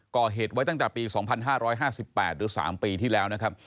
ก่อเหตุไว้ตั้งแต่ปี๒๕๕๘หรือ๓ปีที่แล้วนะครับ